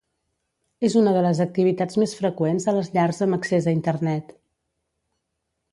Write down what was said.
És una de les activitats més freqüents a les llars amb accés a Internet.